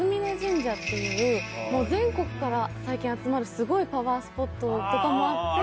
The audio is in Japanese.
全国から最近集まるすごいパワースポットとかもあって。